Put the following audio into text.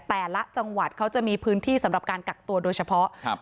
แต่ละจังหวัดเขาจะมีพื้นที่สำหรับการกักตัวโดยเฉพาะครับ